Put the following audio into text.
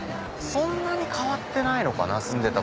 そんなに変わってないのかな。